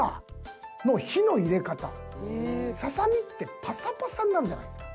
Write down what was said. ささみってパサパサになるじゃないですか。